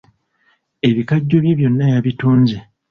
Ebikajjo bye byonna yabitunze.